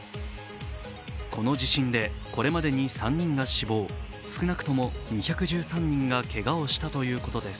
この地震でこれまでに３人が死亡少なくとも２１３人がけがをしたということです。